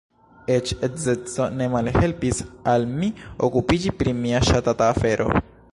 Eĉ edzeco ne malhelpis al mi okupiĝi pri mia ŝatata afero.